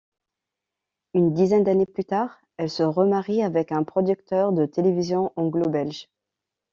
Une dizaine d'années plus tard, elle se remarie avec un producteur de télévision anglo-belge.